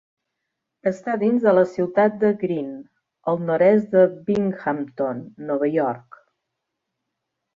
Està dins de la ciutat de Greene i al nord-est de Binghamton, Nova York.